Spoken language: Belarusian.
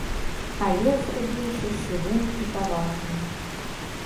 А лес зрабіўся сівым і паважным.